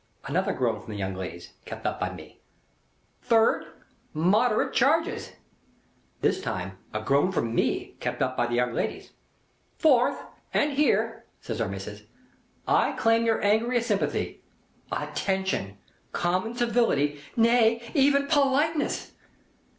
Another groan from the young ladies, kep' up by me. "Third: moderate charges." This time, a groan from me, kep' up by the young ladies. "Fourth:—and here," says Our Missis, "I claim your angriest sympathy—attention, common civility, nay, even politeness!"